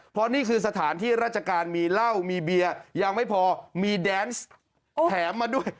เพราะนี่คือสถานที่ราชการมีเหล้ามีเบียร์ยังไม่พอมีแดนซ์แถมมาด้วย